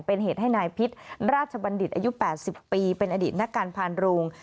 เป็นเหตุให้นายพิษราชบัณฑิตอายุ๘๐ปีเป็นอดีตนักการพานโรง